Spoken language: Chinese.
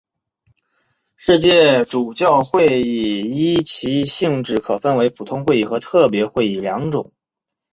世界主教会议依其性质可分为普通会议和特别会议两种。